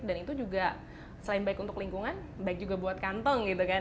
dan itu juga selain baik untuk lingkungan baik juga buat kantong gitu kan